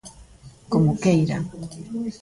Como queira.